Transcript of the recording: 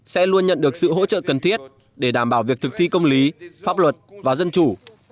sẽ luôn nhận được sự hỗ trợ cần thiết để đảm bảo việc thực thi công lý pháp luật và dân chủ